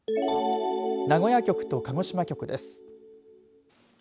名古屋局と鹿児島局です。